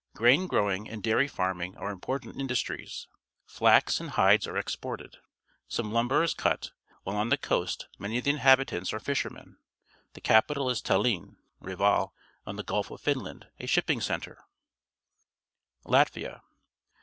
Grain growing and dairy farming are important industries. Flax and hides are exported. Some lumber is cut, while on the coast many of the inhabitants are fishermen. The capital is Tallinn (Reval) on the Gulf of Finland, a shipping centre. Latvia.